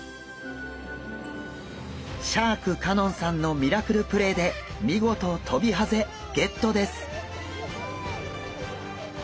シャーク香音さんのミラクルプレーで見事トビハゼゲットです。